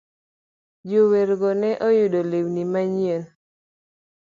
Jowergo ne oyudo lewni manyien.